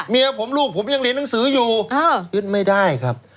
เมียผมลูกผมยังเรียนหนังสืออยู่ขึ้นไม่ได้ครับ